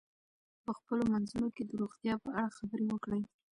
په خپلو منځونو کې د روغتیا په اړه خبرې وکړئ.